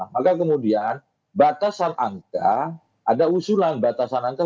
maka kemudian batasan angka ada usulan batasan angka